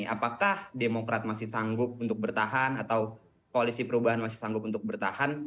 apakah demokrat masih sanggup untuk bertahan atau koalisi perubahan masih sanggup untuk bertahan